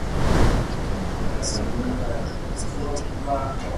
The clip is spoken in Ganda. Ekitundu ekisooka bakoze batya?